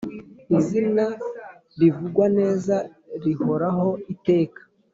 izina rivugwa neza rihoraho iteka.